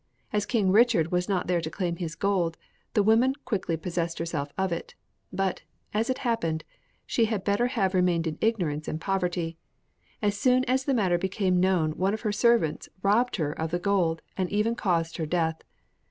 As King Richard was not there to claim his gold, the woman quickly possessed herself of it. But, as it happened, she had better have remained in ignorance and poverty. As soon as the matter became known one of her servants robbed her of the gold, and even caused her death.